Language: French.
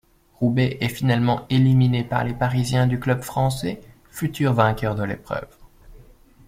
Roubaix est finalement éliminé par les Parisiens du Club français, futurs vainqueurs de l'épreuve.